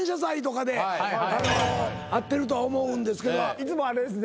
いつもあれですね